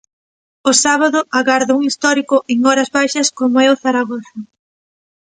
O sábado agarda un histórico en horas baixas como é o Zaragoza.